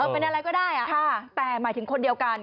เป็นอะไรก็ได้แต่หมายถึงคนเดียวกัน